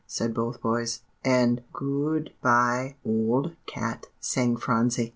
said both boys. And "Go o d by ol d cat," sang Phronsie.